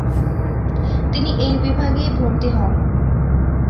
তিনি এই বিভাগেই ভর্তি হন।